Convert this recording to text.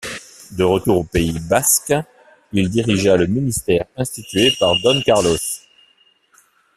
De retour aux Pays Basques, il dirigea le ministère institué par Don Carlos.